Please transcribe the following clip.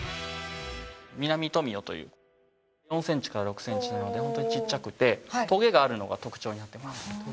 ミナミトミヨという４センチから６センチなのでホントにちっちゃくてトゲがあるのが特徴になってます